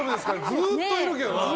ずっといるけどな。